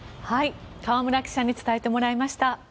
河村記者に伝えてもらいました。